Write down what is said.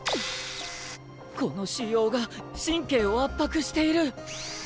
この腫瘍が神経を圧迫している！